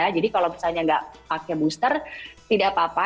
jadi kalau misalnya nggak pakai booster tidak apa apa